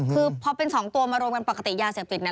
คือพอเป็น๒ตัวมารวมกันปกติยาเสพติดนะ